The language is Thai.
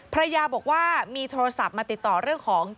ภรรยาบอกว่ามีโทรศัพท์มาติดต่อเรื่องของ